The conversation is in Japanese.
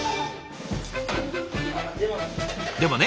でもね